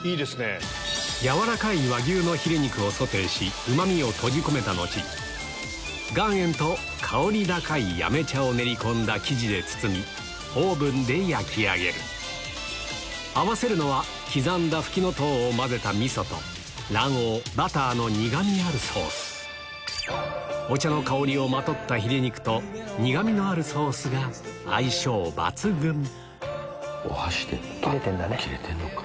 軟らかい和牛のヒレ肉をソテーしうまみを閉じ込めた後岩塩と香り高い八女茶を練り込んだ生地で包みオーブンで焼き上げる合わせるのは苦みあるソースお茶の香りをまとったヒレ肉と苦みのあるソースが相性抜群お箸でいった切れてんのか。